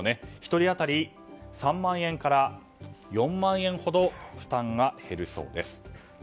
１人当たり３万円から４万円ほど負担が減るそうです。